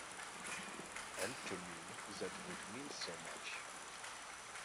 And to me that would mean so much.